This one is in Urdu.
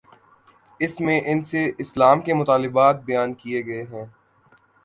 اس میں ان سے اسلام کے مطالبات بیان کیے گئے ہیں۔